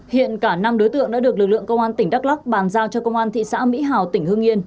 hiện cả năm đối tượng đã được lực lượng công an tỉnh đắk lắc bàn giao cho công an thị xã mỹ hào tỉnh hương yên